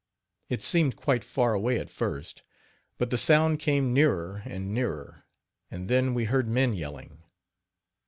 It seemed quite far away at first, but the sound came nearer and nearer, and then we heard men yelling.